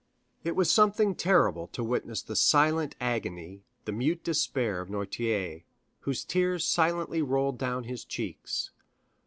It was something terrible to witness the silent agony, the mute despair of Noirtier, whose tears silently rolled down his cheeks.